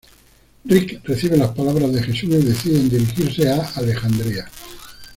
Rick recibe la palabra de Jesús, y decide dirigirse a Alexandría.